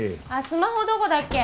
スマホどこだっけ？